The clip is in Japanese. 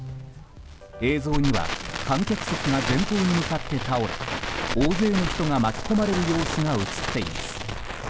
映像には観客席が前方に向かって倒れ大勢の人が巻き込まれる様子が映っています。